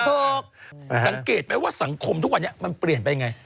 สังเกตไหมว่าสังคมทุกวันนี้มันเปลี่ยนไปไง